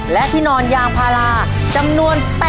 และที่นอนยางพาราจำนวน๘๐ชุดครับ